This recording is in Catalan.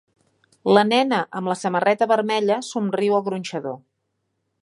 La nena amb la samarreta vermella somriu al gronxador.